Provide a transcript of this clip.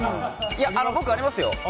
いや、僕ありますよ。